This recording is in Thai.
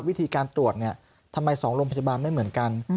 วิธีการตรวจทำไมสองโรงพจบาลไม่เหมือนกัน